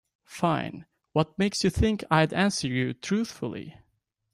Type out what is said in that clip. Fine, what makes you think I'd answer you truthfully?